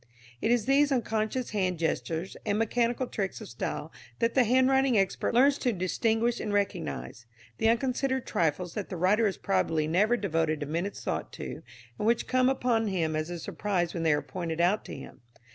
It is these unconscious hand gestures and mechanical tricks of style that the handwriting expert learns to distinguish and recognise, the unconsidered trifles that the writer has probably never devoted a minute's thought to, and which come upon him as a surprise when they are pointed out to him.